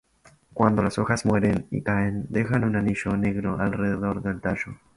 Cuando las hojas mueren y caen, dejan un anillo negro alrededor del tallo.